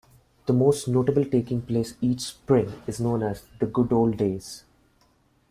The most notable taking place each spring, is known as "The Good Ole Days".